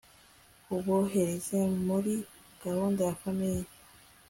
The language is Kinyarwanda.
ubohereze muri gahunda ya famiye